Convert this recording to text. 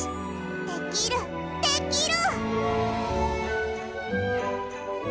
できるできる！